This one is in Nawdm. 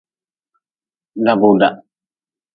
Dabuda.